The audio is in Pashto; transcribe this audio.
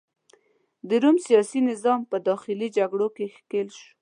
د روم سیاسي نظام په داخلي جګړو کې ښکیل شو.